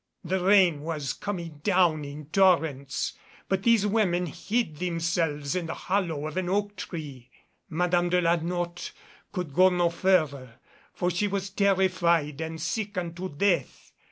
The rain was coming down in torrents, but these women hid themselves in the hollow of an oak tree. Madame de la Notte could go no further, for she was terrified and sick unto death.